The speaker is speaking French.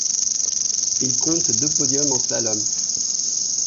Il compte deux podiums en slalom.